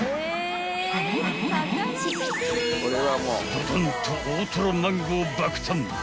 ［ドドンと大とろマンゴー爆誕！］